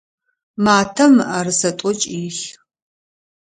Матэм мыӏэрысэ тӏокӏ илъ.